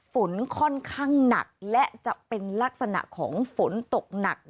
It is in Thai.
ฝนค่อนข้างหนักและจะเป็นลักษณะของฝนตกหนัก